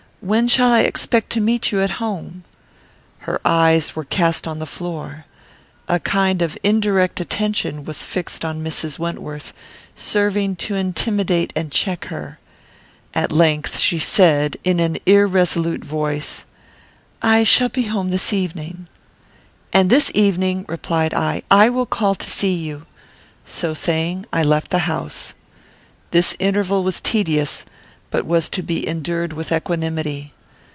When shall I expect to meet you at home?" Her eyes were cast on the floor. A kind of indirect attention was fixed on Mrs. Wentworth, serving to intimidate and check her. At length she said, in an irresolute voice, "I shall be at home this evening." "And this evening," replied I, "I will call to see you." So saying, I left the house. This interval was tedious, but was to be endured with equanimity.